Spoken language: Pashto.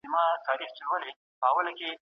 کاش انځورونه رنګین وای.